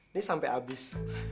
ini sampai habis